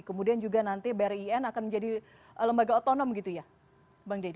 kemudian juga nanti brin akan menjadi lembaga otonom gitu ya bang deddy